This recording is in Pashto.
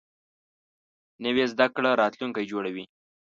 نوې زده کړه راتلونکی جوړوي